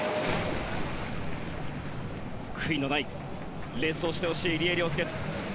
悔いのないレースをしてほしい入江陵介。